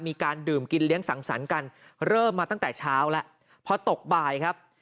มีการดื่มกินเลี้ยงสังสรรค์กันเริ่มมาตั้งแต่เช้าแล้วพอตกบ่ายครับ